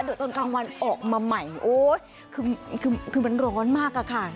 เดี๋ยวตอนกลางวันออกมาใหม่โอ๊ยคือมันร้อนมากอะค่ะ